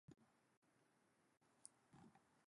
The area is rich in wildlife.